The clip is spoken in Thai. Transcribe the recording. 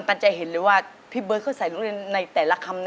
ตันจะเห็นเลยว่าพี่เบิร์ตเขาใส่โรงเรียนในแต่ละคำนะ